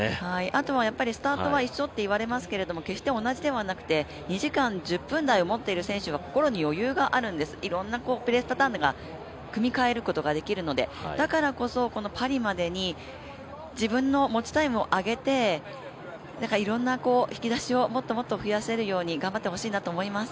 あとはスタートは一緒といわれますけど決して同じではなくて２時間１０分台を持っている選手は心に余裕があるんです、いろんなレースパターンを組み替えることができるのでだからこそ次までに自分の持ちタイムを上げていろんな引き出しをもっともっと増やせるように頑張ってほしいなと思います。